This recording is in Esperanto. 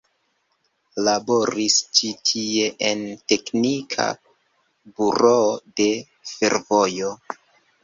Laboris ĉi tie en teknika buroo de fervojo.